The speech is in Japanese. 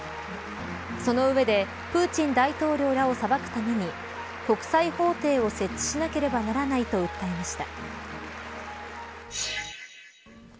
その上でプーチン大統領らを裁くために国際法廷を設置しなければならないと訴えました。